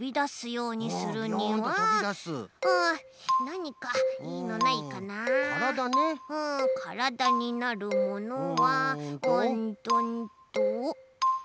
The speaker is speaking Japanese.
うんからだになるものはうんとうんとあっ！